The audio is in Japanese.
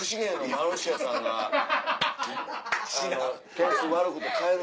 点数悪くて帰る。